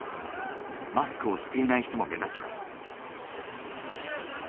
マスクをしていない人も目立ちます。